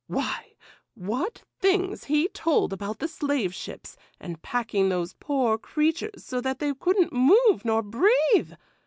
Why! what things he told about the slave ships, and packing those poor creatures so that they couldn't move nor breathe!